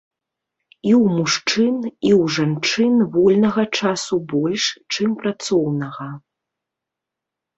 І ў мужчын, і ў жанчын вольнага часу больш, чым працоўнага.